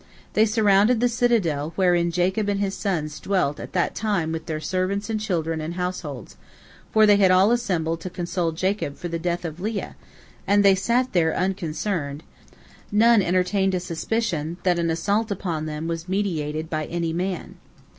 They surrounded the citadel wherein Jacob and his sons dwelt at that time with their servants and children and households, for they had all assembled to console Jacob for the death of Leah, and they sat there unconcerned, none entertained a suspicion that an assault upon them was meditated by any man.